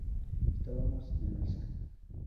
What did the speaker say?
Estábamos en alza.